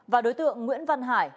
và đối tượng nguyễn văn hải